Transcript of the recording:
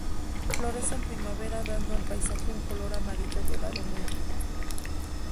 Florece en primavera dando al paisaje un color amarillo dorado muy vivo.